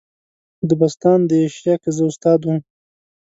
دبستان د ایشیا که زه استاد وم.